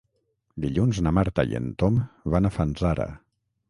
Dilluns na Marta i en Tom van a Fanzara.